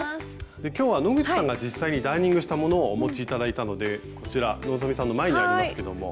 今日は野口さんが実際にダーニングしたものをお持ち頂いたのでこちら希さんの前にありますけども。